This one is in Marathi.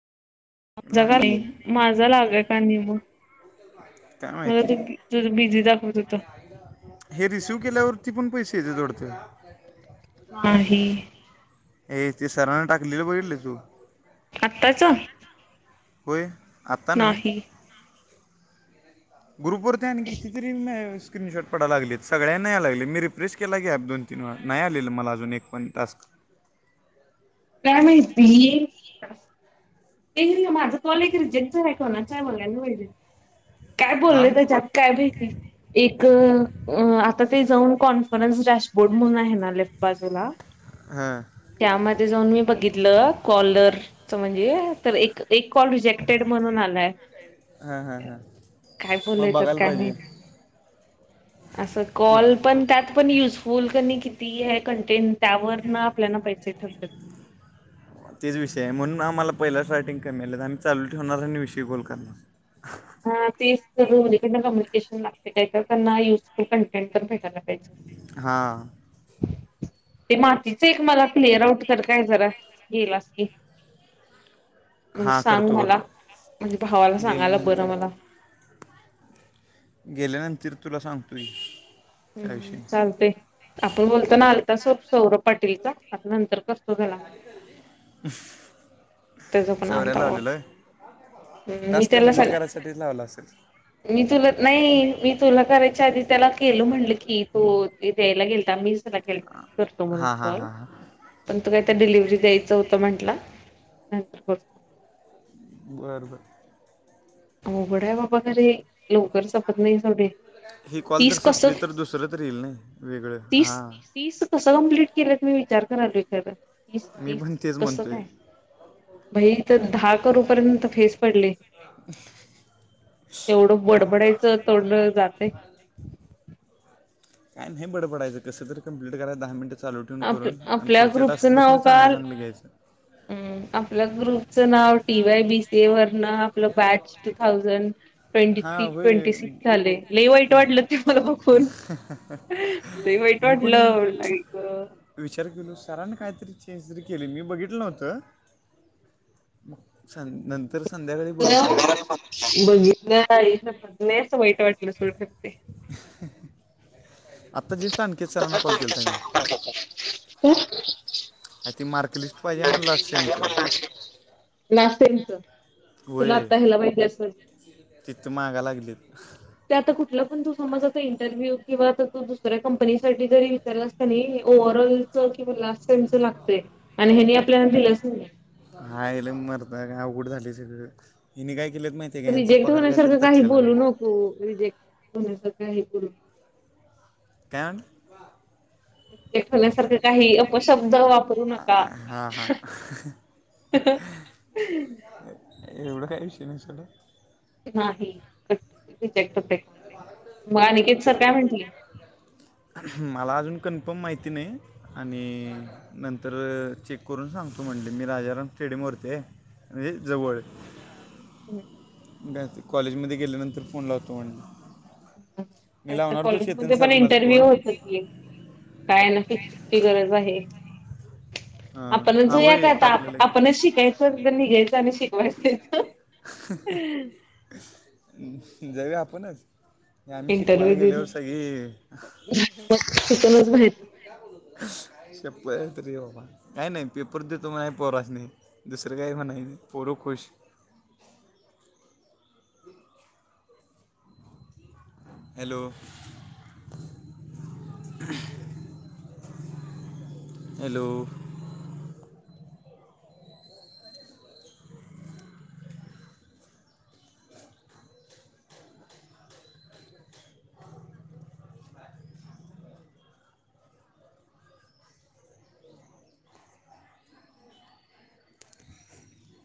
झ का लागला माझा लागय का निम [unintelligible] काय माहिती दाखवत होत हे रिसिव केल्यावरती पण पैसे तितीे दौडते? ह ह. हे ते सराांने टाकलेलं बघितलं का तू? आत्ताचं? होय आत्ता नाही ग्रुपुवरती आहेना किती तरी म स्क्रीनशॉट पडायला लागलेत सगळ्यां ना, यायला लागले, मी रिप्रेस केला कि ऍप दोन तीन वेळा नाही आलेलं मला अजून एक पण टास्क. [inaudible] काय माहिती ते र माझं कॉलेज रिजेक्टच झाला, कोणाचा आहे मला नहीं माहिती. काय हां बोललं त्याच्यात काय भहिती एक अ आता ते जाऊन कॉन्फरन्स डॅशबोर्ड म्हणून आहे ना लेफ्ट बाजूला? हा. त्यामध्ये जाऊन मी बघितलं कॉलरच म्हणजे तर एक कॉल रिजेक्टेड म्हणून आलाय. हां हां हां काय बोल मग यतात बघायला काय नाही पाहिजे असं कुठ कॉल पण त्यात पण युज फल कनी किती आहे कंटेंट? त्यावर ना आपले पैसे ठरतात. तेच विषय आहे म्हणून आम्हाला पहिलाच रायटिंग कमी आले तर आम्ही चालू ठेवणार आणि विषय गोल करणार. हा तेच दोन्हीकडन कम्युनिकेशन लागते काहीत त्यांना युजफुल कंटेंट पण भेटायला पाहिजे. हा. ते मातीच एक मला प्लेअर आउट कर काय जरा गेलास की म्हणजे हां सांग करतो मला करतो म्हणजे भावाला सांगायला बरं मला गेल्यानंतर गेल्यानंतर तुला सांगतोय. हम्म चालतय आपण बोलताो ना आलता स सौरभ पाटीलचा आता नंतर कसतो झाला म त्याचा पण चौऱ्या आलता् लावलेलं आहे मी टास्क त्याला कम्प्लीट सग करायसाठीच लावला असेल मी तुल नाही मी तुला करायच्या आधी त्याला केलं म्हटलं की तू द्यायला गेलता मी करत हां हां कॉल हां हां काय डिलिव्हरी द्यायचं होतं म्हंटलं नंतरत बर. अवगड आहे बाबा खरे लवकर सपत नाही सगडे. ही कॉल तर तीस कस संपली तर दुसरं तर येईल नाही वेगळं तीस हां तीस कसं कंप्लीट केलं तुम्ही. विचार करालय खरं तीस मी तीस पण तेच कसं म्हणतोय काय. भाई इथ दहा करोपर्यंत फेस पडले. एवढं बर बडबडायचं तोडण जाते. काय नाही बड पडयचं कसंरी तरी कप्लीट कराय दहा मिनटं. चालू ठेवून आप करून आणि आपल्या पुढच्या ग्रुपचं टास्कपासून नाव चांगलं काल चांगले घ्यायचं. हम्म आपल्या ग्रुपचं नाव टी वाय बीसी ए वरन आपलं बॅच टू थाउजंड. ट्वेंटी हां होय ट्वेंटी सिक्स झाले लय वाईट वाटलं ते मला बघून. वाईट मी पण वाटलं लाईक. विचार केलास? सराण काहीतरी चेंज जरी केली मी बघितलं नव्हतं मग स नंत बघितलं नाही अस वाईट वाटलं सर ते. आत्ता जस्ट आणखीच सरांना कॉल केला होता मी [unintelligible] आणि ती मार्कलिस्ट पाहिजे म्हणला सेमचं. लास्ट टाइमच तुला होय आता ह्याला पाहिजे अस तिथं मागा लागलीत. ते आता कुठला पण तू समज आ इंटरव्ह्यू किंवा त दुसऱ्या कंपनीसाठी जरी विचारलास कणी. ओव्हरऑल च किंवा लास्टनच लागतय आणि हेनी आपल्याला दिलंच नाहीे. हाल मरडा का अघड झाली सगळं हीने काही. रिजेक्ट होण्यासारखं काही बोलू नको रिजेक्ट होण्यासारखं. [unintelligible] काय? काही खल्यासारख काही अपशब्द वापरू नका. हां हां [unintelligible] एवढ काय विषय नाही खरं. नाही. [inaudible] मग अनिकेत सर काय म्हटले. मला अजून कन्फर्म माहिती नाही आणि नंतर चेक करून सांगतो म्हणले मी राजाराम फे शडी मते आणि जवळ. कॉलेजमध्ये गेल्यानंतर फोन लावतो म्हणले. मी त्या तर लावणार तो चेतन कॉलेजमध्ये पण सरांनाच इंटरव्ह्यू फोन होत कि काय नक्की किती ची गरज आहे. हां आपण हां जोया होय करता टाकलेलं की आपणच शिकायचं निघायचं आणि शिक जाऊया आपणच. आम्ही शिकवायला इंटरव्ह्यू गेलेवर देऊन सगळी. मग तिथूनच बाहेर [unintelligible] त रे बाबा काही नाही पेपर देतो म्हनायच पोरासनी दुसरं काही म्हणायाचं नाही पोर खुश. [unintelligible] हॅलो. हॅलो.